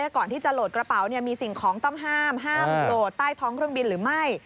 ก่อนที่จะโหลดกระเป๋ามีสิ่งของต้องห้ามห้ามโหลดใต้ท้องเครื่องบินหรือไม่